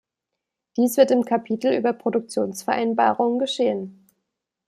Dies wird im Kapitel über Produktionsvereinbarungen geschehen.